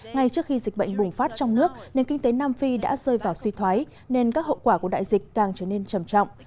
ngay trước khi dịch bệnh bùng phát trong nước nền kinh tế nam phi đã rơi vào suy thoái nên các hậu quả của đại dịch càng trở nên trầm trọng